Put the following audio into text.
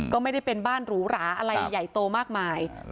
ก็ไม่ได้เป็นบ้านหรูหราอะไรใหญ่โตมากมาย